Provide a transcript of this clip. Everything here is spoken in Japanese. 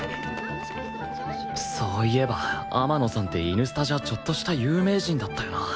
そういえば天野さんってイヌスタじゃちょっとした有名人だったよな